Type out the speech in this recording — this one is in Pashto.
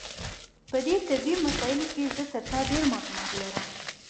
په دې طبي مسایلو کې زه تر تا ډېر معلومات لرم.